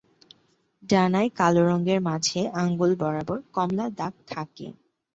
ডানায় কালো রঙের মাঝে আঙুল বরাবর কমলা দাগ থাকে।